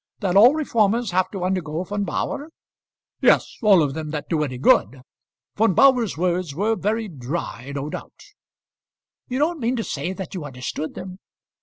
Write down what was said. "That all reformers have to undergo Von Bauhr?" "Yes, all of them that do any good. Von Bauhr's words were very dry, no doubt." "You don't mean to say that you understood them?"